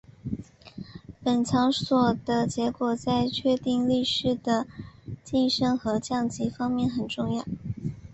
本场所的结果在确定力士的晋升和降级方面很重要。